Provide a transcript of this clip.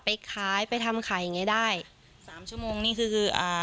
ไปค้ายไปทำขายยังไงได้สามชั่วโมงนี่คือคืออ่า